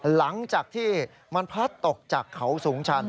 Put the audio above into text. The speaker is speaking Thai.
หลังจากที่มันพลัดตกจากเขาสูงชัน